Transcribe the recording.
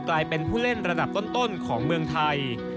กลายเป็นผู้เล่นระดับต้นของเมืองไทย